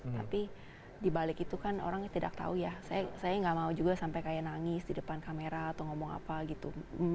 tapi dibalik itu kan orang tidak tahu ya saya nggak mau juga sampai kayak nangis di depan kamera atau ngomong apa gitu